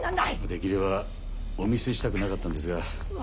できればお見せしたくなかったんですが。